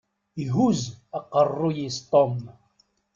Ihuzz aqeṛṛuy-is Tom.